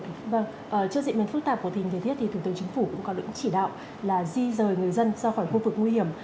trước diễn biến phức tạp của tình thế thì thủ tướng chính phủ cũng có được chỉ đạo là di rời người dân ra khỏi khu vực nguy hiểm